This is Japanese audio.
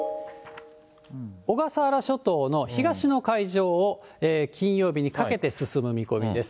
小笠原諸島の東の海上を金曜日にかけて進む見込みです。